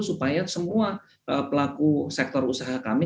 supaya semua pelaku sektor usaha kami